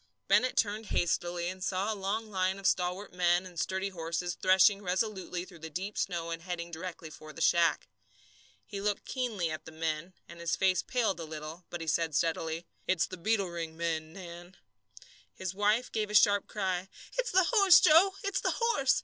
Bennett turned hastily, and saw a long line of stalwart men and sturdy horses threshing resolutely through the deep snow and heading directly for the shack. He looked keenly at the men, and his face paled a little, but he said steadily, "It's the Beetle Ring men, Nan." His wife gave a sharp cry. "It's the horse, Joe! It's the horse!